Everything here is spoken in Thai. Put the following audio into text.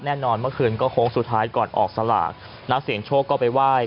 เมื่อคืนก็โค้งสุดท้ายก่อนออกสลากนักเสียงโชคก็ไปไหว้